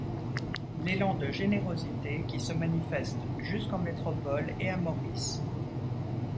L'élan de générosité qui se manifeste jusqu'en métropole et à Maurice.